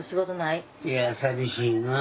いや寂しいなあ。